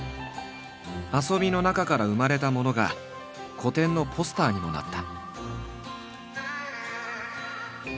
遊びの中から生まれたものが個展のポスターにもなった。